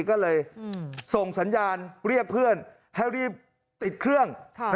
ก็เลยส่งสัญญาณเรียกเพื่อนให้รีบติดเครื่อง